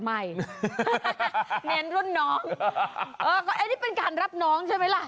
ไอ่นี่เป็นการรับน้องใช่ไหมล่ะ